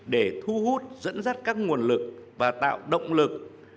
để thu hút dẫn dắt các nguồn lực và tạo động lực